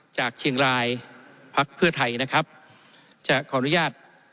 จากเชียงรายพักเพื่อไทยนะครับจะขออนุญาต